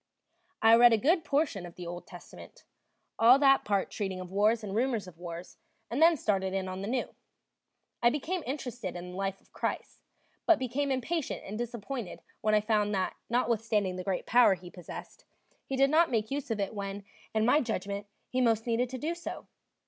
I read a good portion of the Old Testament, all that part treating of wars and rumors of wars, and then started in on the New. I became interested in the life of Christ, but became impatient and disappointed when I found that, notwithstanding the great power he possessed, he did not make use of it when, in my judgment, he most needed to do so.